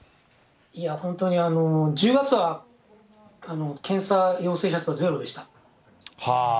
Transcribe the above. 本当に１０月は検査陽性者数はゼロでした。